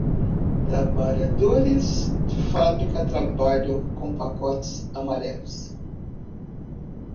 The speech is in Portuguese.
Trabalhadores de fábrica trabalham com pacotes amarelos.